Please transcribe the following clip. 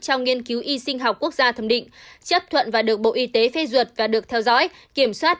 trong nghiên cứu y sinh học quốc gia thẩm định chấp thuận và được bộ y tế phê duyệt và được theo dõi kiểm soát